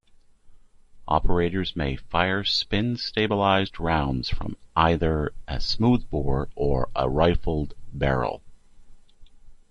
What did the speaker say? Operators may fire spin-stabilized rounds from either a smoothbore or a rifled barrel.